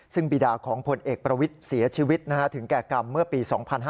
ซึ่งบีดาของผลเอกประวิทย์เสียชีวิตถึงแก่กรรมเมื่อปี๒๕๕๙